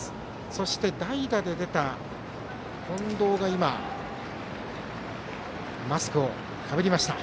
そして、代打で出た近藤がマスクをかぶりました